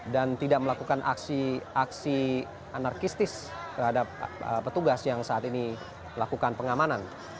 dan tidak melakukan aksi aksi anarkistis terhadap petugas yang saat ini melakukan pengamanan